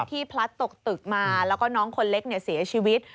พลัดตกตึกมาแล้วก็น้องคนเล็กเสียชีวิต